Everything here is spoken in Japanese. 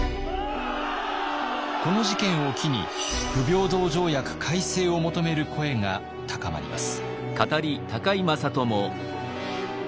この事件を機に不平等条約改正を求める声が高まります。